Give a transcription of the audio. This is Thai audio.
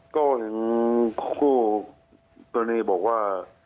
ก็ถึงคู่ตัวนี้บอกว่า